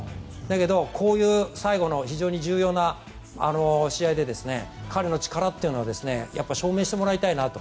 こういう最後の非常に重要な試合で彼の力というのを証明してもらいたいなと。